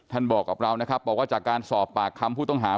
บอกกับเรานะครับบอกว่าจากการสอบปากคำผู้ต้องหา